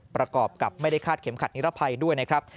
ประกอบกับไม่ได้คาดเข็มขัดนิรภัยด้วยนะครับ